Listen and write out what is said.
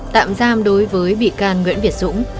tạm giam đối với bị can nguyễn việt dũng